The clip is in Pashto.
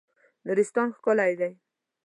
نورستان ښکلی دی.